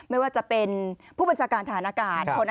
ไม่ว่าจะเป็นผู้บัญชาการฐานอากาศ